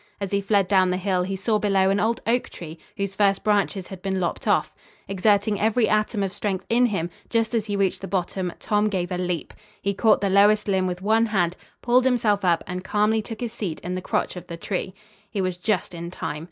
As he fled down the hill he saw below an old oak tree whose first branches had been lopped off. Exerting every atom of strength in him, just as he reached the bottom Tom gave a leap. He caught the lowest limb with one hand, pulled himself up and calmly took his seat in the crotch of the tree. He was just in time.